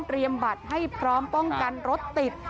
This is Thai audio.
บัตรให้พร้อมป้องกันรถติด